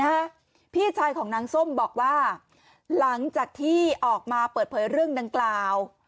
พี่ชายของนางส้มบอกว่าหลังจากที่ออกมาเปิดเผยเรื่องดังกล่าว